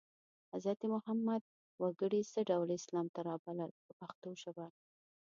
حضرت محمد وګړي څه ډول اسلام ته رابلل په پښتو ژبه.